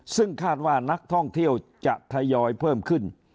ซึ่งคาดว่านักท่องเที่ยวจะทยอยเพิ่มขึ้น